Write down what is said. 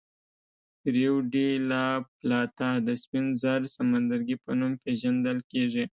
ریو ډي لا پلاتا د سپین زر سمندرګي په نوم پېژندل کېږي.